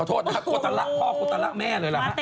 โอ้โหขอโทษนะครับพ่อเขาตาระแม่เลยนะฮะ